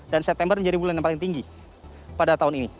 dan september menjadi bulan yang paling tinggi pada tahun ini